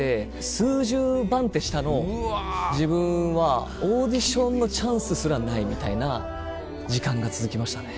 数十番手下の自分はオーディションのチャンスすらないみたいな時間が続きましたね。